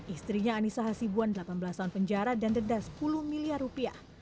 istrinya anissa hasibuan delapan belas tahun penjara dan denda sepuluh miliar rupiah